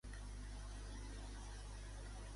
Què vol dir Enoix?